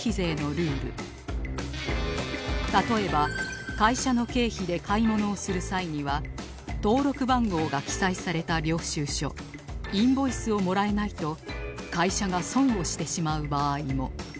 例えば会社の経費で買い物をする際には登録番号が記載された領収書インボイスをもらえないと会社が損をしてしまう場合も